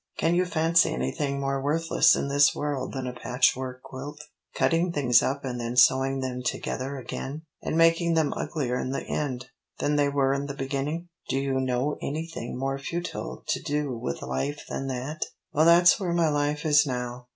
Can you fancy anything more worthless in this world than a patchwork quilt? cutting things up and then sewing them together again, and making them uglier in the end than they were in the beginning? Do you know anything more futile to do with life than that? Well that's where my life is now.